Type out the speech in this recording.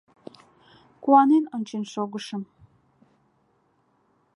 Куанен ончен шогышым.